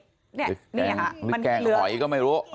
หรือแกงหอยก็ไม่รู้